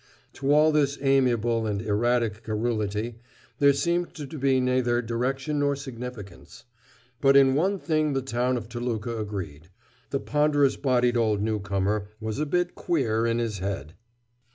To all this amiable and erratic garrulity there seemed to be neither direction nor significance. But in one thing the town of Toluca agreed; the ponderous bodied old newcomer was a bit "queer" in his head.